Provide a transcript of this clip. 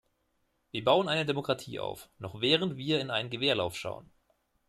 Wir bauen eine Demokratie auf, noch während wir in einen Gewehrlauf schauen.